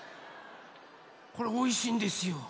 これおいしいんですよ。